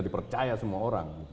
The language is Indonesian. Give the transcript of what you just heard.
dipercaya semua orang